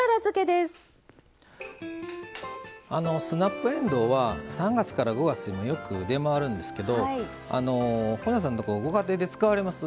スナップえんどうは３月から５月によく出回るんですけど本上さんとこご家庭で使われます？